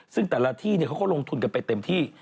ซึ่งแต่ละที่เขาก็ลงทุนกันไปเต็มที่